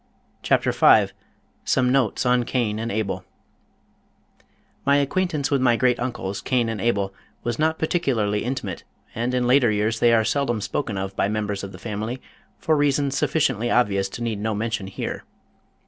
CHAPTER V SOME NOTES ON CAIN AND ABEL My acquaintance with my great uncles, Cain and Abel, was not particularly intimate and in later years they are seldom spoken of by members of the family for reasons sufficiently obvious to need no mention here.